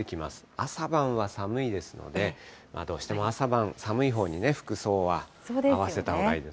朝晩は寒いですので、どうしても朝晩、寒いほうに服装は合わせたほうがいいです。